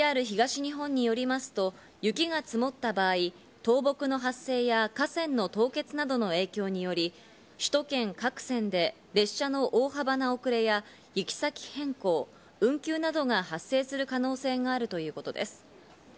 ＪＲ東日本によりますと、雪が積もった場合、倒木の発生や河川の凍結などの影響により、首都圏各線で列車の大幅な遅れや行き先変更、運休などが発生する可能性があるということです。